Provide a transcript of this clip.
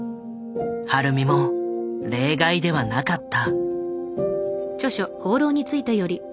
晴美も例外ではなかった。